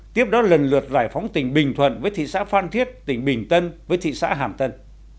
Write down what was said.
tiếp đó lần lượt giải phóng tỉnh bình thuận với thị xã phan thiết tỉnh bình tân với thị xã hàm tân